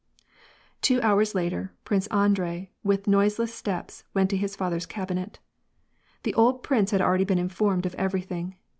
Two hours later. Prince Andrei, with noiseless steps, went to his father's cabinet. The old prince had already been in formed of everything.